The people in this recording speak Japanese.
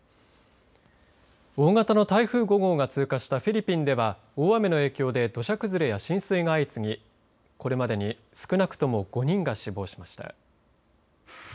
大型の台風５号が通過したフィリピンでは大雨の影響で土砂崩れや浸水が相次ぎこれまでに少なくとも５人が死亡しました。